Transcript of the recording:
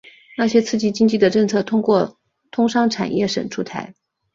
那些刺激经济的政策通过通商产业省出台。